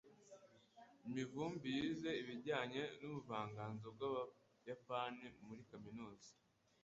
Mivumbi yize ibijyanye nubuvanganzo bwabayapani muri kaminuza.